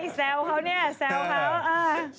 แซวเขาสิแซวเขา